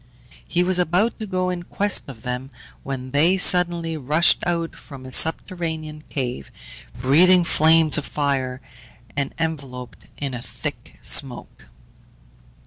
He was about to go in quest of them, when they suddenly rushed out from a subterranean cave, breathing flames of fire, and enveloped in a thick smoke.